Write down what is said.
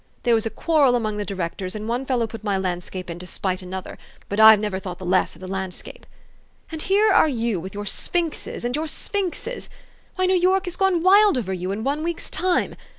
There was a quarrel among the directors, and one fellow put my landscape in to spite another but I've never thought the less of the landscape. And here are you with your sphinxes and your sphinxes why, New York has gone wild over you in one week's time